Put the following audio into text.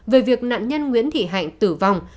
về việc nạn nhân nguyễn thị hạnh tử vong